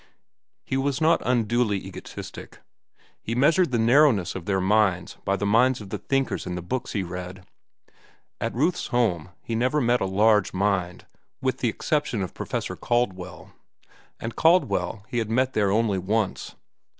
He was not unduly egotistic. He measured the narrowness of their minds by the minds of the thinkers in the books he read. At Ruth's home he never met a large mind, with the exception of Professor Caldwell, and Caldwell he had met there only once.